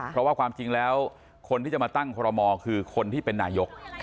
เพราะว่าความจริงแล้วคนที่จะมาตั้งคอรมอคือคนที่เป็นนายก